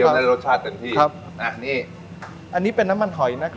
เวลาเคี้ยวได้รสชาติเป็นที่อันนี้เป็นน้ำมันหอยนะครับ